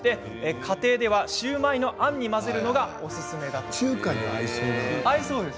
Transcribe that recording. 家庭ではシューマイのあんに混ぜるのがおすすめだそうです。